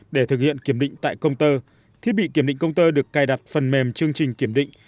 để thực hiện kiểm định tại công tơ thiết bị kiểm định công tơ được cài đặt phần mềm chương trình kiểm định